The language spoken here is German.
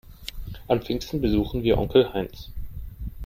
An Pfingsten besuchen wir Onkel Heinz.